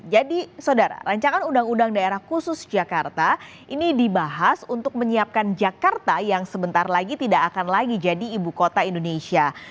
saudara rancangan undang undang daerah khusus jakarta ini dibahas untuk menyiapkan jakarta yang sebentar lagi tidak akan lagi jadi ibu kota indonesia